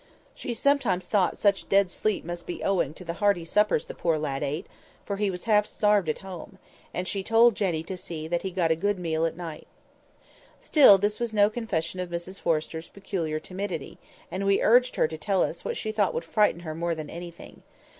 She sometimes thought such dead sleep must be owing to the hearty suppers the poor lad ate, for he was half starved at home, and she told Jenny to see that he got a good meal at night. [Picture: Slaughterous and indiscriminate directions] Still this was no confession of Mrs Forrester's peculiar timidity, and we urged her to tell us what she thought would frighten her more than anything.